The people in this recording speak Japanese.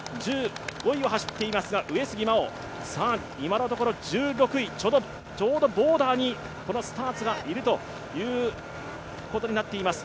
上杉真穂は今のところ１６位、ちょうどボーダーにスターツがいるということになっています。